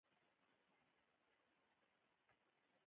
زما د ټبر نوم ميټى دى